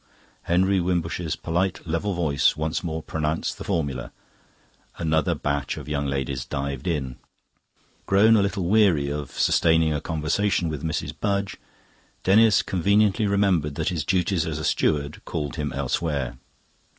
Henry Wimbush's polite level voice once more pronounced the formula. Another batch of young ladies dived in. Grown a little weary of sustaining a conversation with Mrs. Budge, Denis conveniently remembered that his duties as a steward called him elsewhere.